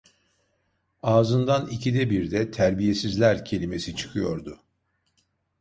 Ağzından ikide birde "Terbiyesizler!" kelimesi çıkıyordu.